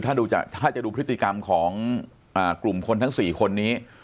ถ้าจะดูพฤติกรรมของกลุ่มคนทั้ง๔คนนี้